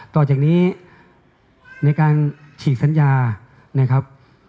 ต่อจากนี้ในการฉีกสัญญานะครับ